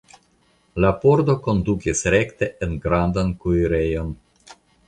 La pordo kondukis rekte en grandan kuirejon.